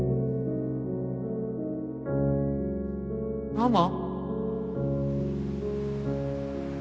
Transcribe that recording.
ママ？